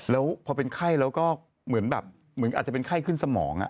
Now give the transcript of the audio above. แล้วพอเป็นไข้เราก็เหมือนแบบอาจจะเป็นไข้ขึ้นสมอง